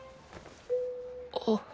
あっ。